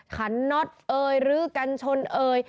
ขันน็อตเอ่ยรื้อกันชนเอ่ย